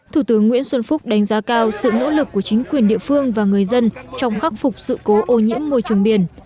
thủ tướng nguyễn xuân phúc đánh giá cao sự nỗ lực của chính quyền địa phương và người dân trong khắc phục sự cố ô nhiễm môi trường biển